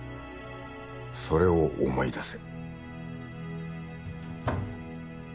それを思い出せ。